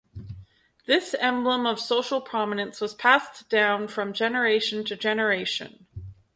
This emblem of social prominence was passed down from generation to generation.